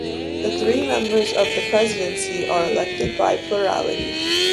The three members of the Presidency are elected by plurality.